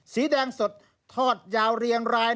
สีแดงสดทอดยาวเรียงราย